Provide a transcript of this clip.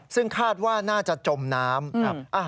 ซึ่งคาดว่าน่าจะจมน้ำครับ